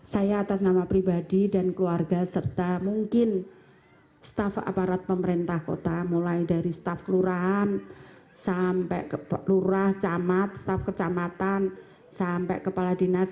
saya atas nama pribadi dan keluarga serta mungkin staff aparat pemerintah kota mulai dari staf kelurahan sampai ke lurah camat staf kecamatan sampai kepala dinas